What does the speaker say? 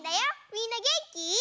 みんなげんき？